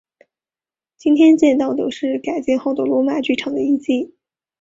今天见到的是改建后的罗马剧场的遗迹。